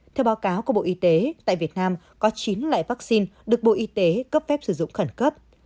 theo báo cáo của bộ y tế tại việt nam có chín loại vaccine được bộ y tế cấp phép sử dụng khẩn cấp